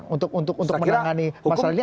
untuk menangani masalah ini